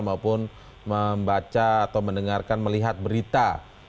maupun membaca atau mendengarkan melihat berita